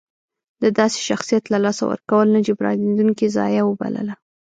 د داسې شخصیت له لاسه ورکول نه جبرانېدونکې ضایعه وبلله.